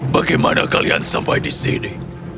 bagaimana kalian sampai di sini